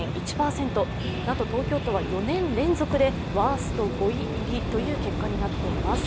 なんと東京都は４年連続でワースト５位入りとなっています。